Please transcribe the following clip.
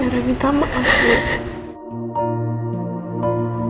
ibu ingin minta maaf ibu